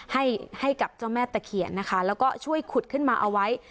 ให้กับเจ้าแม่ตะเขียนนะคะแล้วก็ช่วยขุดขึ้นมาเอาไว้